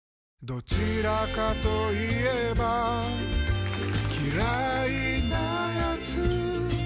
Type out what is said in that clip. どちらかと言えば嫌いなやつ